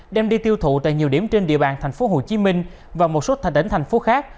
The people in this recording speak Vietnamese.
đem đi tiêu thụ tại nhiều điểm trên địa bàn thành phố hồ chí minh và một số thành tỉnh thành phố khác